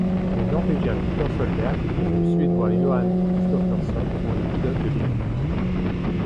Le norvégien Petter Solberg et le suédois Johan Kristoffersson sont les pilotes de l'équipe.